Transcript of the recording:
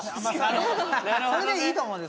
それでいいと思うんです